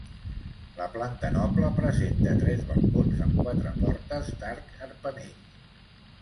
La planta noble presenta tres balcons, amb quatre portes d'arc carpanell.